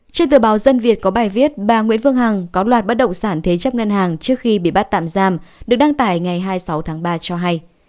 trên tờ báo dân việt có bài viết bà nguyễn phương hằng có loạt bất động sản thế chấp ngân hàng trước khi bị bắt tạm giam được đăng tải ngày hai mươi sáu tháng ba cho hay